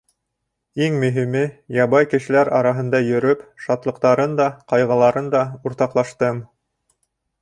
Иң мөһиме, ябай кешеләр араһында йөрөп, шатлыҡтарын да, ҡайғыларын да уртаҡлаштым.